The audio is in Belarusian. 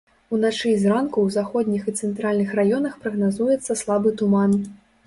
Уначы і зранку ў заходніх і цэнтральных раёнах прагназуецца слабы туман.